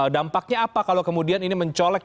dampaknya apa kalau kemudian ini mencolek